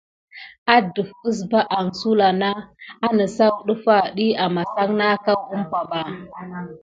Adef əsva aŋ na sulà nà wanəsaw ɗəffa ɗiy amasan na akaw umpa ɓa.